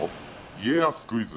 家康クイズ